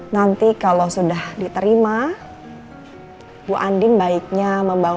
nanti kalau sudah diterima bu andin baiknya membawa